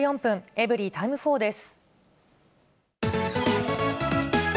エブリィタイム４です。